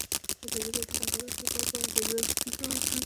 ازادي راډیو د د ځنګلونو پرېکول په اړه د عبرت کیسې خبر کړي.